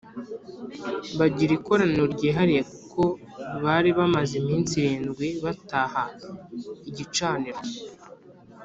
bagira ikoraniro ryihariye kuko bari bamaze iminsi irindwi bataha igicaniro